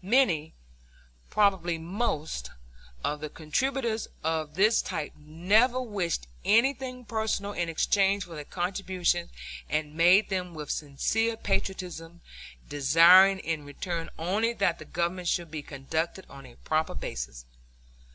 Many, probably most, of the contributors of this type never wished anything personal in exchange for their contributions, and made them with sincere patriotism, desiring in return only that the Government should be conducted on a proper basis.